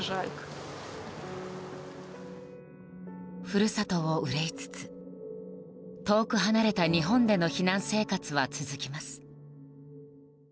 故郷を憂いつつ遠く離れた日本での避難生活は続きます。